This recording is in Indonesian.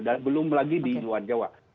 dan belum lagi di luar jawa